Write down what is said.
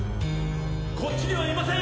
こっちにはいません！